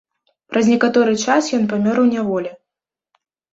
Праз некаторы час ён памёр у няволі.